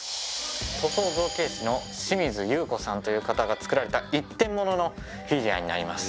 塗装造形師の清水ゆう子さんという方が作られた１点もののフィギュアになります。